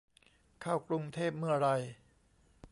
เข้ากรุงเทพเมื่อไหร่